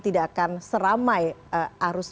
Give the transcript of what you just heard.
tidak akan seramai arus